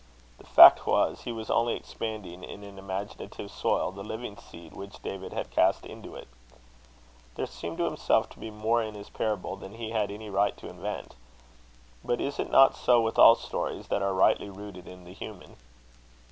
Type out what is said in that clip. The fact was, he was only expanding, in an imaginative soil, the living seed which David had cast into it. There seemed to himself to be more in his parable than he had any right to invent. But is it not so with all stories that are rightly rooted in the human?